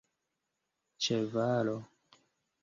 ĉevalo